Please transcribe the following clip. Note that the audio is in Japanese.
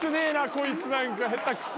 こいつ何か下手くそ。